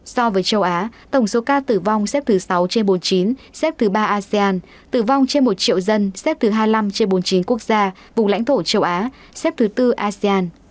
so với châu á tổng số ca tử vong xếp thứ sáu trên bốn mươi chín xếp thứ ba asean tử vong trên một triệu dân xếp thứ hai mươi năm trên bốn mươi chín quốc gia vùng lãnh thổ châu á xếp thứ tư asean